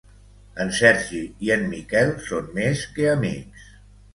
En Sergi i en Miquel són més que amics.